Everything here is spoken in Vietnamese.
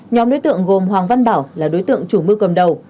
nhóm đối tượng gồm hoàng văn bảo là đối tượng chủ mưu cầm đầu